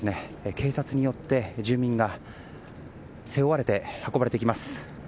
警察によって住民が背負われて運ばれていきます。